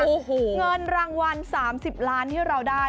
โอ้โหเงินรางวัล๓๐ล้านที่เราได้